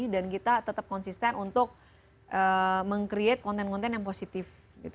dan kita tetap konsisten untuk meng create konten konten yang positif